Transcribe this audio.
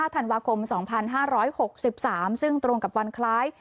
ธันวาคม๒๕๖๓ซึ่งตรงกับวันคล้าย